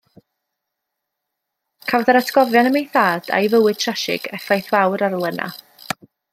Cafodd yr atgofion am ei thad a'i fywyd trasig effaith fawr ar Lena.